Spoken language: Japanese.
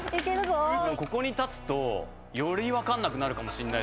ここに立つとより分かんなくなるかもしんないっす。